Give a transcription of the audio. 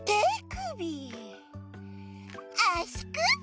あしくび！